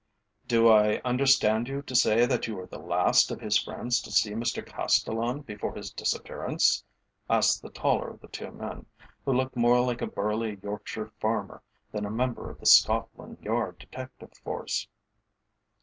"Do I understand you to say that you were the last of his friends to see Mr Castellan before his disappearance?" asked the taller of the two men, who looked more like a burly Yorkshire farmer than a member of the Scotland Yard Detective Force.